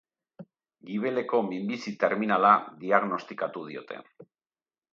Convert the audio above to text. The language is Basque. Gibeleko minbizi terminala diagnostikatu diote.